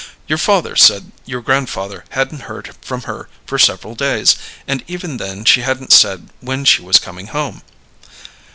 "Your father said your grandfather hadn't heard from her for several days, and even then she hadn't said when she was coming home."